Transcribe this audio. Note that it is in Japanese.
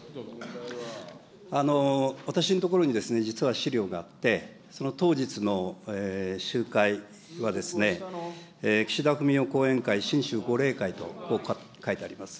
私のところにですね、実は資料があって、その当日の集会は、岸田文雄後援会会と書いてあります。